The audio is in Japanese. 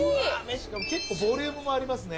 しかも結構ボリュームもありますね。